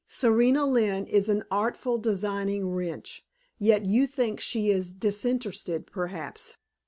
Serena Lynne is an artful, designing wretch, yet you think she is disinterested, perhaps.